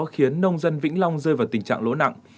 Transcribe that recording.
khiến nông dân vĩnh long rơi vào tình trạng lỗ nặng